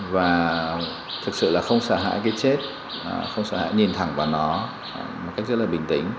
và thực sự là không sợ hãi cái chết không sợ hạn nhìn thẳng vào nó một cách rất là bình tĩnh